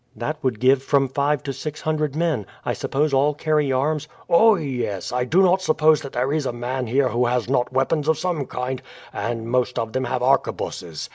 "That would give from five to six hundred men. I suppose all carry arms?" "Oh, yes. I do not suppose that there is a man here who has not weapons of some kind, and most of them have arquebuses.